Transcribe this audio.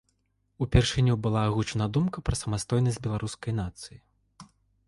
Упершыню была агучана думка пра самастойнасць беларускай нацыі.